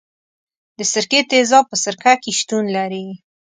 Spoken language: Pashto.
د سرکې تیزاب په سرکه کې شتون لري.